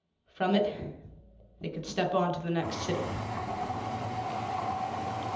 From it they could step on to the next city."